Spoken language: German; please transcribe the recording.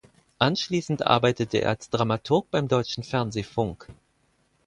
Anschließend arbeitete er als Dramaturg beim Deutschen Fernsehfunk.